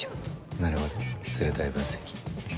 なるほど鋭い分析。